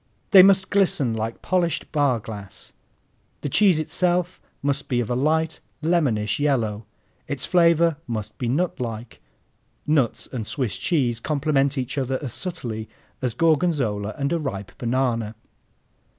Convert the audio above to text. They must glisten like polished bar glass. The cheese itself must be of a light, lemonish yellow. Its flavor must be nutlike. (Nuts and Swiss cheese complement each other as subtly as Gorgonzola and a ripe banana.)